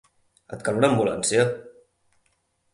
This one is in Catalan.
Et cal una ambulància?